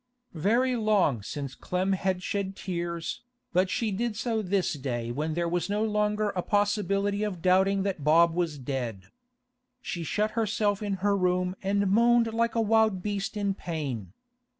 Very long since Clem had shed tears, but she did so this day when there was no longer a possibility of doubting that Bob was dead. She shut herself in her room and moaned like a wild beast in pain.